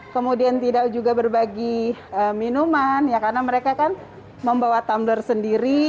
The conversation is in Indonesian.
kemudian tidak juga berbagi minuman ya karena mereka kan membawa tumbler sendiri